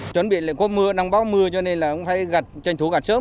chuẩn bị lại có mưa đang báo mưa cho nên là cũng phải gặt tranh thủ gặt sớm